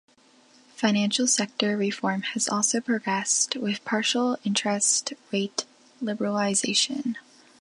Financial sector reform has also progressed with partial interest rate liberalization.